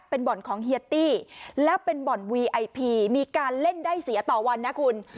เป็นบ่อนของเฮียตี้แล้วเป็นบ่อนวีไอพีมีการเล่นได้เสียต่อวันนะคุณ